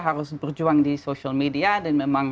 harus berjuang di social media dan memang